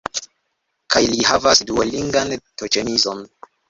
Kaj li havas Duolingan to-ĉemizon